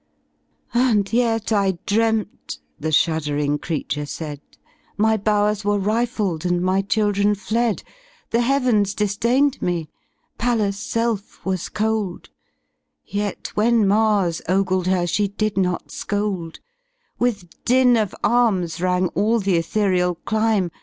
''''And yet I dreamt y* the shuddering creature saidy ''''My bowers were rifled and my children fled; The Heavens disdained me; Pallas* self was coldy Yety when Mars ogled hery she did not scold; With din of arms rang all th* ethereal clime.